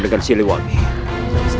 aku harus membantu dia